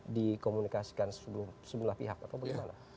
dikomunikasikan sejumlah pihak atau bagaimana